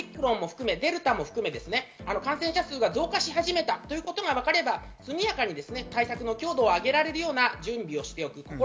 しかし、感染者数が増加し始めたということがわかれば速やかに対策の強度を上げられるような準備をしておく。